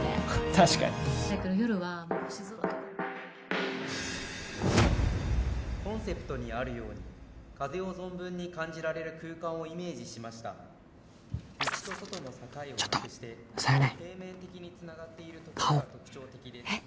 確かにだけど夜は・コンセプトにあるように風を存分に感じられる空間をイメージしました内と外の境をなくしてちょっと佐弥姉顔えっ？